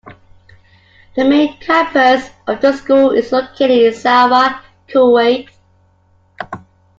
The main campus of the school is located in Salwa, Kuwait.